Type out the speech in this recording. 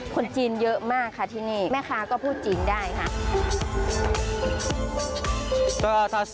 คนจีนเยอะมากค่ะที่นี่แม่ค้าก็พูดจีนได้ค่ะ